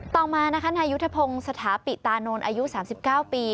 ต่อมานะคะนายุทธพงศ์สถาปิตานนท์อายุ๓๙ปี